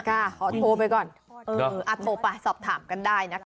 อาทิตย์กล้าขอโทรไปก่อน